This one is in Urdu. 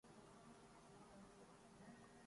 اس پہ بن جائے کچھ ایسی کہ بن آئے نہ بنے